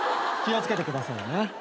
気を付けてくださいね。